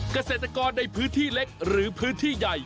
เกษตรกรในพื้นที่เล็กหรือพื้นที่ใหญ่